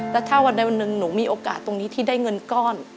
แล้วถ้าวันใดวันหนึ่งหนูมีโอกาสตรงนี้ที่ได้เงินก้อน